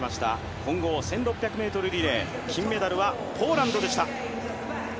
混合１６００ｍリレー、金メダルはポーランドでした。